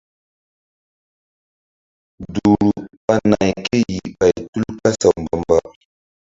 Duhru ɓa nay kéyih ɓay tul kasaw mba-mba.